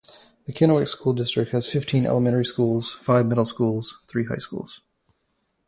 The Kennewick School District has fifteen elementary schools, five middle schools, three high schools.